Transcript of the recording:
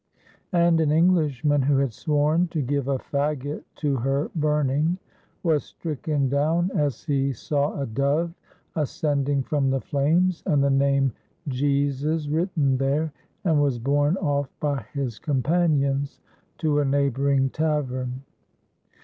And an Eng lishman who had sworn to give a fagot to her burning was stricken down as he saw a dove ascending from the flames and the name Jesus written there, and was borne off by his companions to a neighboring tavern.